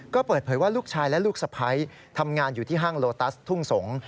ก็เปิดเผยว่าลูกชายและลูกสะพ้ายทำงานอยู่ที่ห้างโลตัสทุ่งสงศ์